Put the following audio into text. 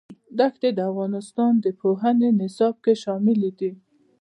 دښتې د افغانستان د پوهنې نصاب کې شامل دي.